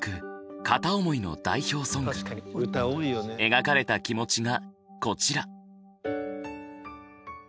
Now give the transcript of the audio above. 描かれた気持ちがこちら。